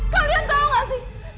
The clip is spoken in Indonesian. kalian tahu nggak sih